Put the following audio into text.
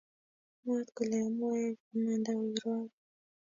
Mwaat kole mwoe imanda kirwokik